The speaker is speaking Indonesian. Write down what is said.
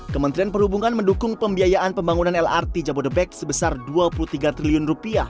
kementerian perhubungan mendukung pembiayaan pembangunan lrt jabodebek sebesar rp dua puluh tiga triliun